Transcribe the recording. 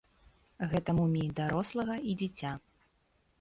Гэта муміі дарослага і дзіця.